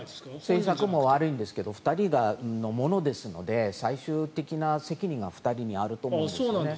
制作もですが２人のものですので最終的な責任は２人にあると思います。